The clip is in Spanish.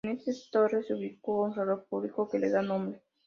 En esta torre se ubicó un reloj público que le da nombre.